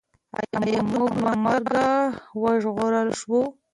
ایا موږ له مرګه وژغورل شوو؟